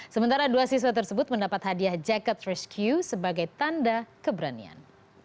sementara dua siswa tersebut mendapat hadiah jacket rescue sebagai tanda keberanian